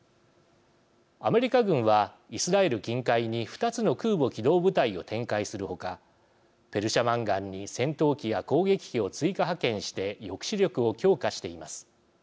アメリカ軍はイスラエル近海に２つの空母機動部隊を展開するほかペルシャ湾岸に戦闘機や攻撃機を追加派遣して抑止力を強化しています。